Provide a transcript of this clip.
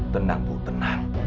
tenang bu tenang